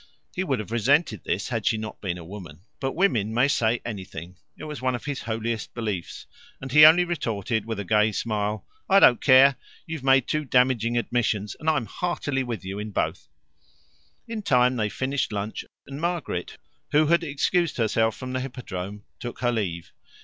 He would have resented this had she not been a woman. But women may say anything it was one of his holiest beliefs and he only retorted, with a gay smile: "I don't care. You've made two damaging admissions, and I'm heartily with you in both." In time they finished lunch, and Margaret, who had excused herself from the Hippodrome, took her leave.